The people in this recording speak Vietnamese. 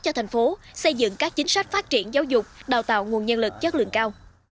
cho thành phố xây dựng các chính sách phát triển giáo dục đào tạo nguồn nhân lực chất lượng cao